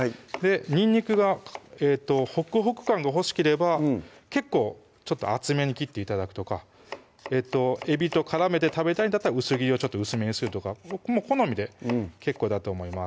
にんにくがえっとホクホク感が欲しければ結構厚めに切って頂くとかえびと絡めて食べたいんだったら薄切りをちょっと薄めにするとか好みで結構だと思います